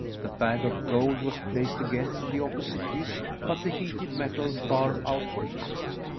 The bag of gold was placed again in the opposite disc, but the heated metal far outweighed it.